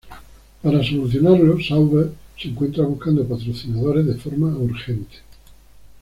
Para solucionarlo, Sauber se encuentra buscando patrocinadores de forma urgente.